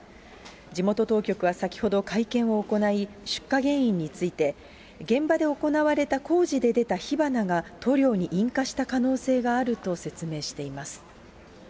地元当局は先ほど会見を行い、出火原因について、現場で行われた工事で出た火花が塗料に引火した可能性があると説明しています。